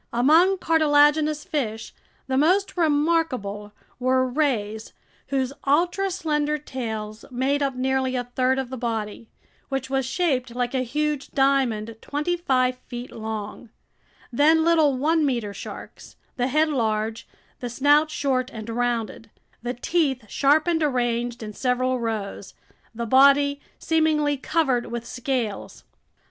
Among cartilaginous fish, the most remarkable were rays whose ultra slender tails made up nearly a third of the body, which was shaped like a huge diamond twenty five feet long; then little one meter sharks, the head large, the snout short and rounded, the teeth sharp and arranged in several rows, the body seemingly covered with scales.